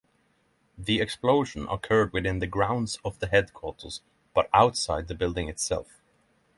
The explosion occurred within the grounds of the headquarters but outside the building itself.